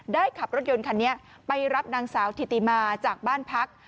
ขับรถยนต์คันนี้ไปรับนางสาวถิติมาจากบ้านพัก